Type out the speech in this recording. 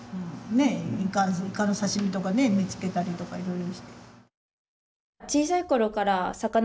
イカの刺身とか煮つけたりとかいろいろ。